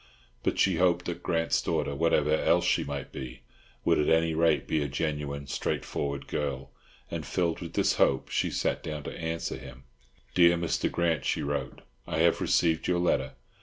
But she hoped that Grant's daughter, whatever else she might be, would at any rate be a genuine, straight forward girl; and filled with this hope, she sat down to answer him: "Dear Mr. Grant," she wrote, "I have received your letter.